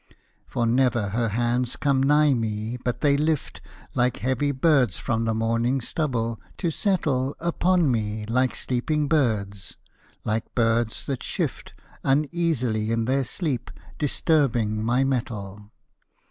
For never her hands come nigh me but they lift Like heavy birds from the morning stubble, to settle Upon me like sleeping birds, like birds that shift Uneasily in their sleep, disturbing my mettle.